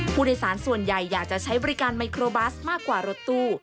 ผู้โดยสารส่วนใหญ่อยากจะใช้บริการไมโครบัสมากกว่ารถตู้